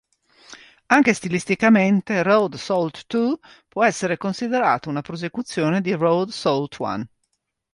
Anche stilisticamente "Road Salto Two" può essere considerato una prosecuzione di "Road Salt One".